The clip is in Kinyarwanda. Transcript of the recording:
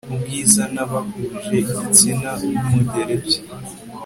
Ubwiza nabahuje igitsina nkumugereki